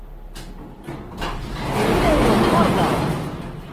Se li ne iros morgaŭ!